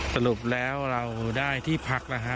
สรุปแล้วเราได้ที่พักนะฮะ